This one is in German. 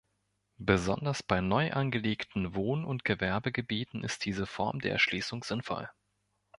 Besonders bei neu angelegten Wohn- oder Gewerbegebieten ist diese Form der Erschließung sinnvoll.